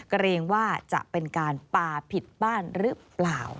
เกรงว่าจะเป็นการป่าผิดบ้านหรือเปล่า